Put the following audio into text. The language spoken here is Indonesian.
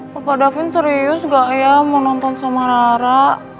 bapak davin serius gak ya mau nonton sama rara